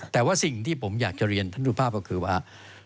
แต่ว่าสิ่งที่ผมอยากจะเรียนท่านสุภาพก็คือว่า